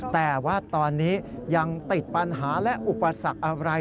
แต่ว่าตอนนี้ยังติดปัญหาและอุปสรรคอะไร